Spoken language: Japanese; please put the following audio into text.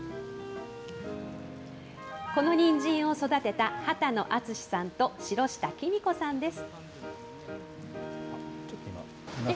このにんじんを育てた波田野惇さんと城下君子さんです。